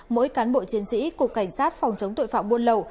mỗi cán bộ chiến sĩ cục cảnh sát phòng chống tội phạm buôn lậu